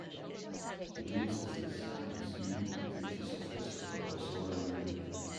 The Dean's Office, and Student Activities Office were also renovated.